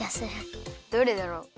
どれだろう。